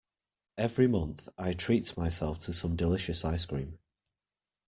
Every month, I treat myself to some delicious ice cream.